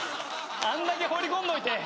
あんだけ放り込んどいて。